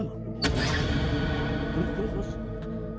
terus terus terus